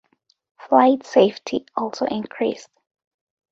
Flight safety also increased.